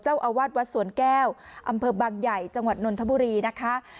เจ้าอาวาสวัดสวนแก้วอำเภอบางใหญ่จังหวัดนนทบุรีนะคะ